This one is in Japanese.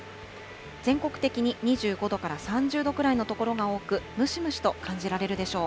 全国的に２５度から３０度くらいの所が多く、ムシムシと感じられるでしょう。